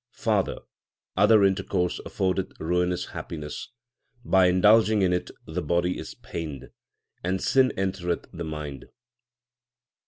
Father, other intercourse affordeth ruinous happiness ; By indulging in it the body is pained, and sin entereth the mind.